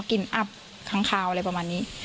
กลิ่นอับขังขาวอะไรประมาณนี้